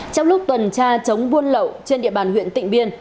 trong lúc tuần tra chống buôn lậu trên địa bàn huyện tịnh biên